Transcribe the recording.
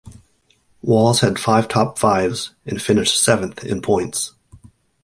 Wallace had five top-fives and finished seventh in points.